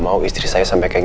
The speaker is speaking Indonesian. mantan pacarnya andin